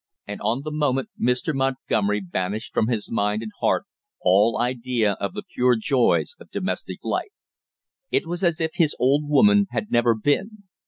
And on the moment Mr. Montgomery banished from his mind and heart all idea of the pure joys of domestic life. It was as if his old woman had never been.